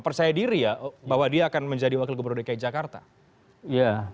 ketua dpi yang sudah menanggung pak agung setiarso terlebih dahulu